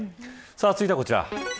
続いてはこちら。